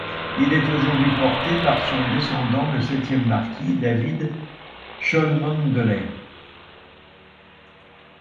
Il est aujourd'hui porté par son descendant le septième marquis, David Cholmondeley.